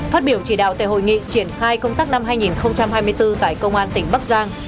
phát biểu chỉ đạo tại hội nghị triển khai công tác năm hai nghìn hai mươi bốn tại công an tỉnh bắc giang